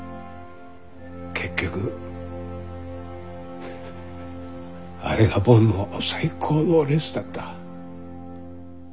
結局あれがボンの最高のレースだった。